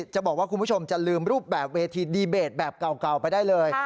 จะบอกว่าคุณผู้ชมจะลืมรูปแบบเวทีดีเบตแบบเก่าไปได้เลย